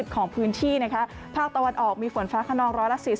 ๑๔๐๖๐ของพื้นที่ภาคตะวันออกมีฝนฟ้าขนอง๑๔๐๖๐